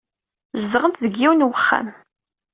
Zedɣent deg yiwen n uxxam.